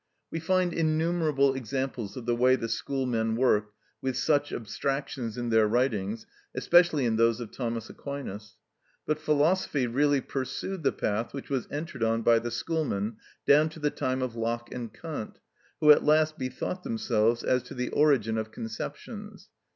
We find innumerable examples of the way the Schoolmen worked with such abstractions in their writings, especially in those of Thomas Aquinas. But philosophy really pursued the path which was entered on by the Schoolmen down to the time of Locke and Kant, who at last bethought themselves as to the origin of conceptions.